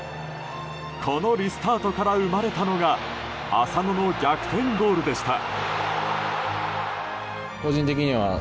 このリスタートから生まれたのが浅野の逆転ゴールでした。